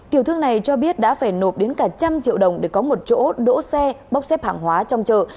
tiểu thương này cho biết đã phải nộp đến cả trăm triệu đồng để có một chỗ đỗ xe bốc xếp hàng hóa trong chợ